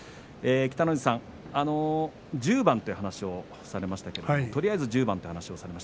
北の富士さん、１０番という話をされましたけれどとりあえず１０番という話です。